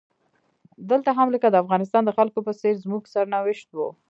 دلته هم لکه د افغانستان د خلکو په څیر زموږ سرنوشت و.